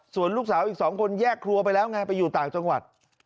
ส่วนลูกสาวอีก๒คนแยกครัวไปแล้วไงไปอยู่ต่างจังหวัด